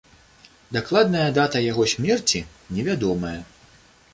Дакладная дата яго смерці невядомая.